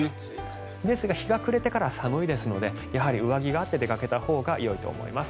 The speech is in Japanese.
ですが、日が暮れてからは寒いですのでやはり上着があって出かけたほうがよいと思います。